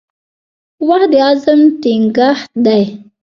• وخت د عزم ټینګښت دی.